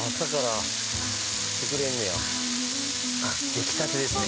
焼きたてですね。